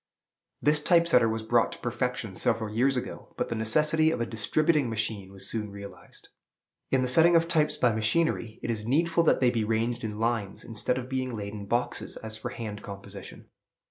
This Type setter was brought to perfection several years ago; but the necessity of a distributing machine was soon realized. In the setting of types by machinery, it is needful that they be ranged in lines, instead of being laid in boxes, as for hand composition.